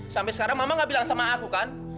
sampai sekarang mama gak bilang sama aku kan